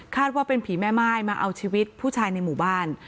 ว่าเป็นผีแม่ม่ายมาเอาชีวิตผู้ชายในหมู่บ้าน